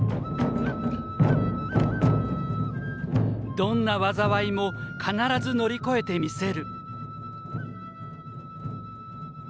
「どんな災いも必ず乗り越えてみせる」。